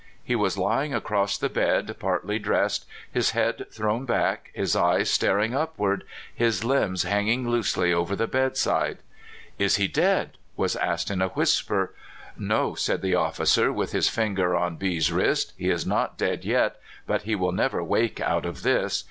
He was lying across the bed, partly dressed, his head thrown back, his eyes staring upward, his limbs hanging loosely over the bedside. " Is he dead? " was asked in a whisper. " No," said the officer, with his finger on B 's wrist; "he is not dead yet, but he will never wake out of this.